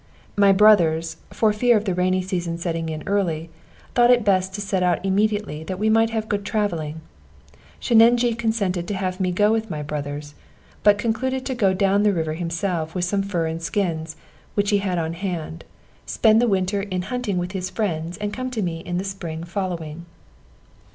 My brothers, for fear of the rainy season setting in early, thought it best to set out immediately that we might have good travelling. Sheninjee consented to have me go with my brothers; but concluded to go down the river himself with some fur and skins which he had on hand, spend the winter in hunting with his friends, and come to me in the spring following.